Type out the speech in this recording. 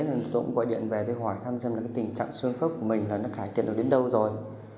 tôi cũng gọi điện về để hỏi thăm xem tình trạng xương khúc của mình khải thiện được đến đâu rồi